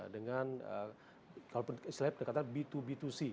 dengan kalau selain dekatkan b dua b dua c